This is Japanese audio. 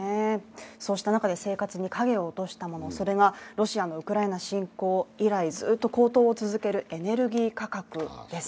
そうした中で生活に影を落としたもの、ロシアのウクライナ侵攻以来ずっと高騰を続けるエネルギー価格です。